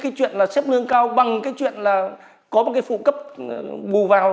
cái chuyện là xếp lương cao bằng cái chuyện là có một cái phụ cấp bù vào